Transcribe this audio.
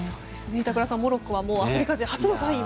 板倉さん、モロッコはアフリカ勢初の３位を。